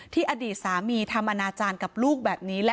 ที่อดีตสามีทำอนาชาญกับลูกแบบนี้